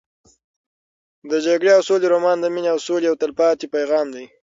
د جګړې او سولې رومان د مینې او سولې یو تلپاتې پیغام دی.